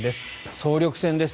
総力戦です。